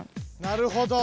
なるほど。